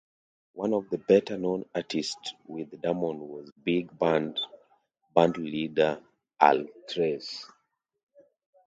One of the better known artists with Damon was big band bandleader Al Trace.